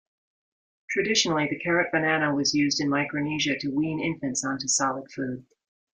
Traditionally, the Karat banana was used in Micronesia to wean infants onto solid food.